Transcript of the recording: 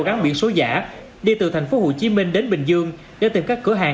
gắn biển số giả đi từ thành phố hồ chí minh đến bình dương để tìm các cửa hàng